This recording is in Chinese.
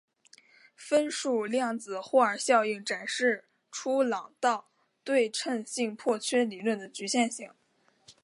分数量子霍尔效应展示出朗道对称性破缺理论的局限性。